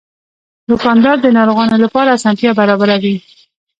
دوکاندار د ناروغانو لپاره اسانتیا برابروي.